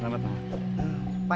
pak selamat malam pak